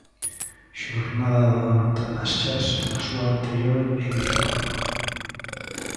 Xornada da Horta das Chás na súa anterior edición.